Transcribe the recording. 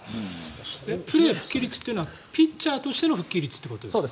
プレー復帰率というのはピッチャーとしての復帰率ですか？